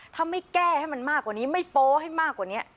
ถ้าไม่แก้ให้มันมากกว่านี้ไม่โป๊ให้มากกว่านี้